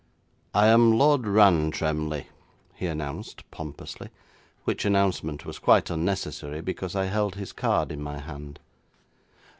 'I am Lord Rantremly,' he announced pompously, which announcement was quite unnecessary, because I held his card in my hand.